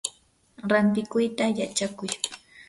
rantikuyta yachakuy.